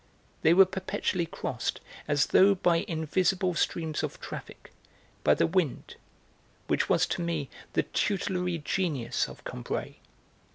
They were perpetually crossed, as though by invisible streams of traffic, by the wind, which was to me the tutelary genius of Combray.